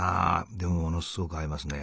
でもものすごく合いますね。